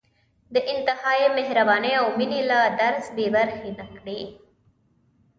د انتهايي مهربانۍ او مېنې له درس بې برخې نه کړي.